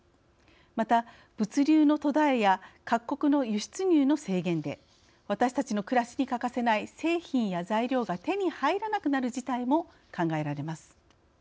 また、物流の途絶えや各国の輸出入の制限で私たちの暮らしに欠かせない製品や材料が手に入らなくなる事態も考えられます。